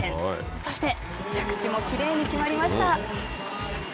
そして着地もきれいに決まりました。